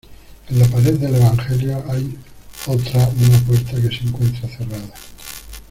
En la pared del Evangelio hay otra una puerta que se encuentra cerrada.